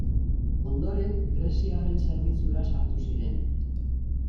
Ondoren, greziarren zerbitzura sartu ziren.